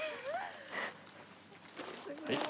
はい。